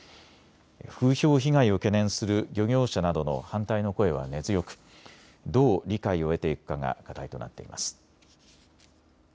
風評被害を懸念する漁業者などの反対の声は根強くどう理解を得ていくかが課題となっています。